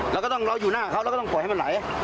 เราก็ต้องรออยู่หน้าเขาแล้วก็ต้องปล่อยให้มันไหล